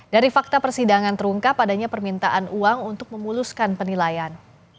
dari fakta persidangan terungkap adanya permintaan uang untuk memuluskan penilaian